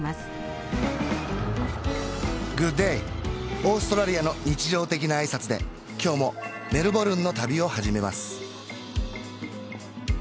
オーストラリアの日常的な挨拶で今日もメルボルンの旅を始めます